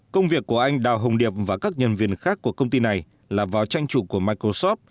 công việc của anh đào hồng điệp và các nhân viên khác của công ty này là vào tranh trụ của microsoft